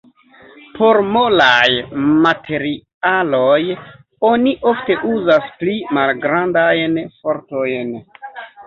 Por molaj materialoj oni ofte uzas pli malgrandajn fortojn.